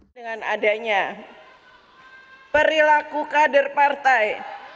dengan adanya perilaku kader partai